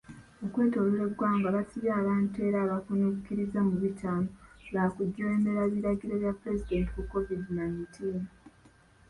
Okwetoolola eggwanga basibye abantu era abakkunukkiriza mu bitaano lwakujeemera biragiro bya pulezidenti ku COVID nineteen.